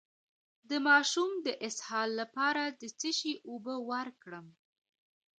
د ماشوم د اسهال لپاره د څه شي اوبه ورکړم؟